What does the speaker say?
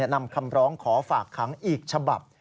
นำคำร้องขอฝากขังอีกฉบับ